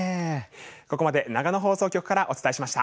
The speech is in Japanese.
ここまで長野放送局からお伝えしました。